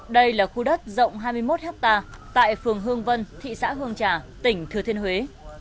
đây là khu đất rộng hai mươi một hectare tại phường hương vân thị xã hương trà tỉnh thừa thiên huế